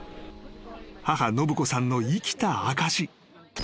［母信子さんさんの生きた証し］